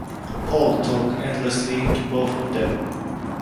Paul talked endlessly to both of them.